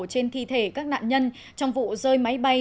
trên thi thể các nạn nhân trong vụ rơi máy bay